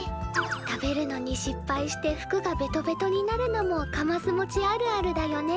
食べるのに失敗して服がベトベトになるのもかますもちあるあるだよね。